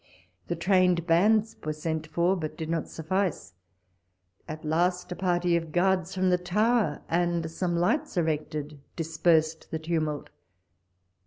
The Trained Bands were sent for, but did not suffice. At last a party of guards, from the Tower, and some lights erected, dispersed the tumult.